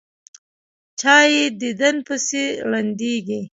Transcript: چا یې دیدن پسې ړندېږي.